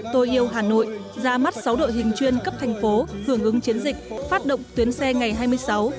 tôi yêu hà nội ra mắt sáu đội hình chuyên cấp thành phố hưởng ứng chiến dịch phát động tuyến xe ngày hai mươi sáu xe bít màu xanh